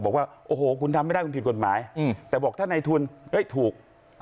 บอกว่าโอ้โหคุณทำไม่ได้คุณผิดกฎหมายแต่บอกถ้าในทุนถูก